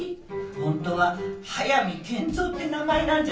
ホントは速見健三って名前なんじゃないの？